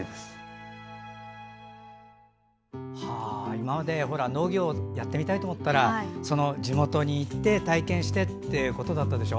今まで農業をやってみたいと思ったら地元に行って体験してってことだったでしょ。